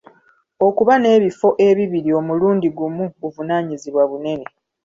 Okuba n'ebifo ebibiri omulundi gumu buvunaanyizibwa bunene.